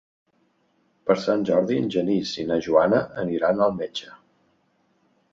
Per Sant Jordi en Genís i na Joana aniran al metge.